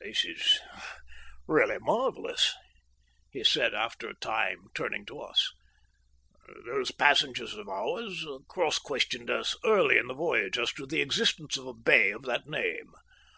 "This is really marvellous," he said, after a time, turning to us. "These passengers of ours cross questioned us early in the voyage as to the existence of a bay of that name.